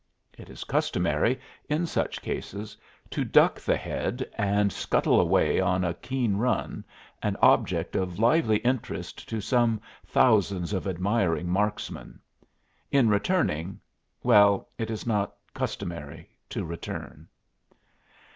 It is customary in such cases to duck the head and scuttle away on a keen run, an object of lively interest to some thousands of admiring marksmen. In returning well, it is not customary to return.